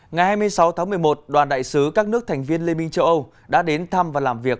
ngày hai mươi sáu tháng một mươi một đoàn đại sứ các nước thành viên liên minh châu âu đã đến thăm và làm việc